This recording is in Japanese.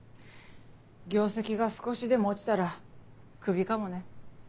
業績が少しでも落ちたらクビかもね。